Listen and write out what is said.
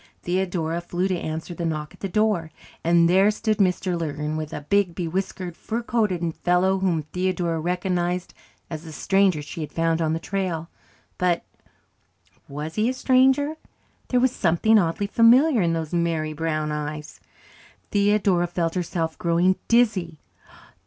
Theodora flew to answer the knock at the door, and there stood Mr. Lurgan and a big, bewhiskered, fur coated fellow whom Theodora recognized as the stranger she had found on the trail. But was he a stranger? There was something oddly familiar in those merry brown eyes. Theodora felt herself growing dizzy.